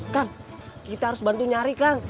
kang kita harus bantu nyari kang